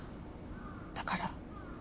だから。